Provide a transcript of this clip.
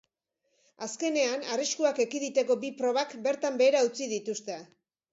Azkenean arriskuak ekiditeko bi probak bertan behera utzi dituzte.